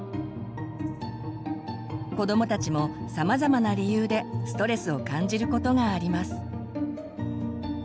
子どもたちもさまざまな理由でストレスを感じることがあります。